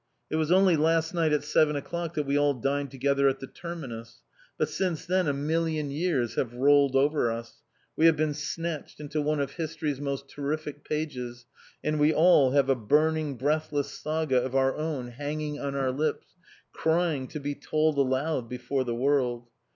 It was only last night at seven o'clock that we all dined together at the Terminus; but since then a million years have rolled over us; we have been snatched into one of History's most terrific pages; and we all have a burning breathless Saga of our own hanging on our lips, crying to be told aloud before the world.